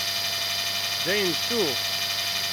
Dayen ttuɣ.